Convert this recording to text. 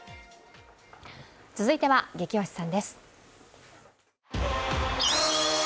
続いては「ゲキ推しさん」です。